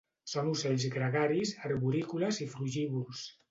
Són ocells gregaris, arborícoles i frugívors.